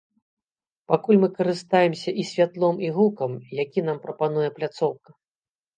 Пакуль мы карыстаемся і святлом і гукам, які нам прапануе пляцоўка.